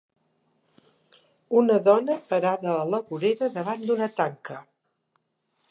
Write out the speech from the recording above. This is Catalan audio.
Una dona parada a la vorera davant d'una tanca.